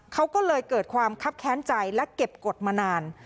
เขาก็เลยเกิดความคับแค้นใจและเก็บกฎมานาน